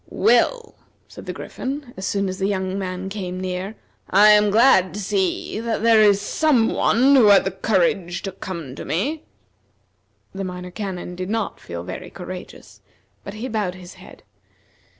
"Well," said the Griffin, as soon as the young man came near, "I am glad to see that there is some one who has the courage to come to me." The Minor Canon did not feel very courageous, but he bowed his head.